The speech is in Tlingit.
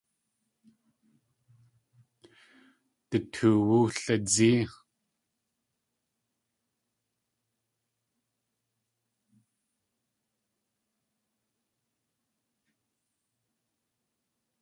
Du tuwóo lidzée.